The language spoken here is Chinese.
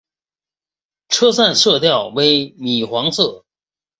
车站色调为米黄色。